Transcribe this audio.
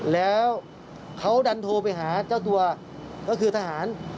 แล้วเขาดันโทรไปหาเจ้าตัวก็คือทหาร